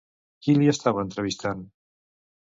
Qui li estava entrevistant?